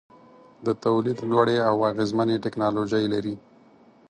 د تولید لوړې او اغیزمنې ټیکنالوجۍ لري.